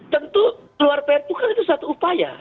tentu keluar pr itu kan itu satu upaya